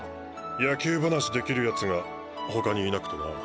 野球話できるやつが他にいなくてな。